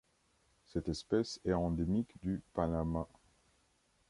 Cette espèce est endémique du Panamá.